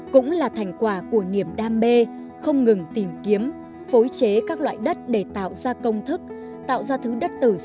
cũng là thành quả của niềm đam mê không ngừng tìm kiếm phối chế các loại đất để tạo ra công thức tạo ra thứ đất tử xa